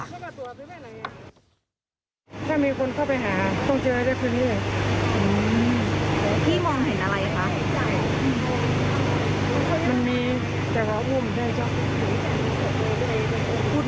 ไม่ได้มาขอกลับมาเจ้า